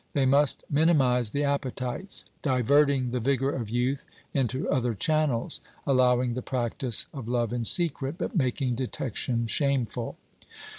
They must minimize the appetites, diverting the vigour of youth into other channels, allowing the practice of love in secret, but making detection shameful.